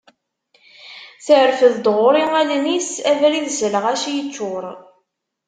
Terfed-d ɣur-i allen-is, abrid s lɣaci yeččur.